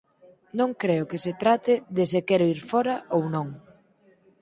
Non creo que se trate de se quero ir fóra ou non.